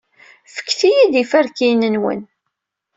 Fket-iyi-d iferkiyen-nwen.